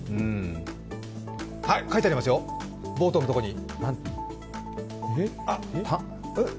はい、書いてありますよ、ボートのところに。